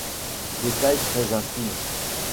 Détails très intimes.